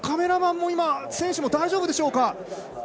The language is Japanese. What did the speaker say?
カメラマンも選手も大丈夫でしょうか。